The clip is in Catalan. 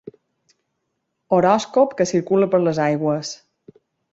Horòscop que circula per les aigües.